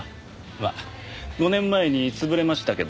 まあ５年前に潰れましたけど。